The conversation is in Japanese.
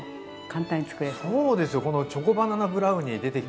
そうですよ